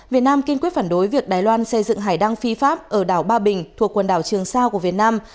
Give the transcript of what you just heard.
việt nam kiên quyết phản đối việc đài loan xây dựng hải đăng phi pháp ở đảo ba bình thuộc quần đảo trường sa của việt nam